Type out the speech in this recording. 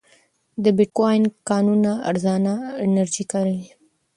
د بېټکوین کانونه ارزانه انرژي کاروي.